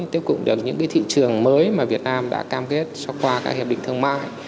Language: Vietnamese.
tiếp cận được những thị trường mới mà việt nam đã cam kết cho qua các hiệp định thương mại